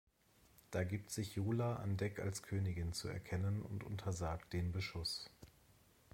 Da gibt sich Yola an Deck als Königin zu erkennen und untersagt den Beschuss.